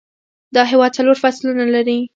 دا هیواد څلور فصلونه لري